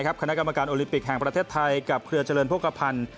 คณะกรรมการโอลิมปิกแห่งประเทศไทยกับเครือเจริญโภคภัณฑ์